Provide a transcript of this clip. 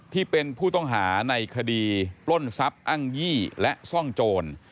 ที่เป็นผู้ต้องหาในคดีปล้นทรัพย์อ้างยี่และซ่องโจร